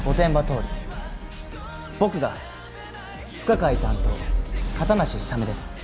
僕が不可解担当片無氷雨です。